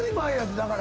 だから。